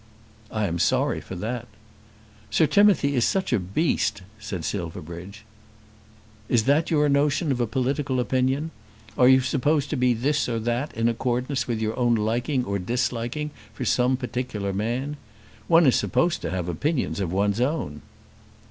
"I am sorry for that." "Sir Timothy is such a beast," said Silverbridge. "Is that your notion of a political opinion? Are you to be this or that in accordance with your own liking or disliking for some particular man? One is supposed to have opinions of one's own."